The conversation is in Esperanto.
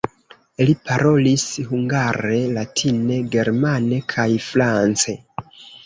Li parolis hungare, latine, germane kaj france.